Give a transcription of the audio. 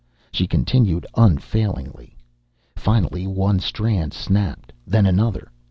She continued unfailingly. Finally one strand snapped. Then another.